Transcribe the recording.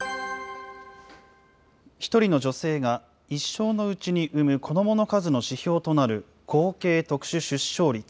１人の女性が一生のうちに産む子どもの数の指標となる、合計特殊出生率。